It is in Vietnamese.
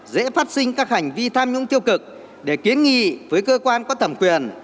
dễ phát sinh các hành vi tham nhũng tiêu cực để kiến nghị với cơ quan có thẩm quyền